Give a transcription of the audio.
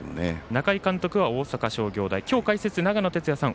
中井監督は大阪商業大今日、解説の長野哲也さん